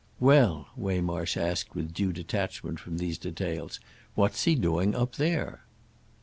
"Well," Waymarsh asked with due detachment from these details, "what's he doing up there?"